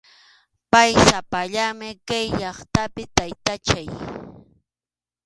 Pay sapallanmi kay llaqtapi, taytachay.